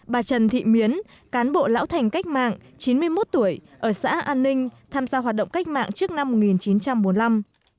bà trần thị miến cán bộ lão thành cách mạng chín mươi một tuổi ở xã an ninh tham gia hoạt động cách mạng trước năm một nghìn chín trăm bốn mươi năm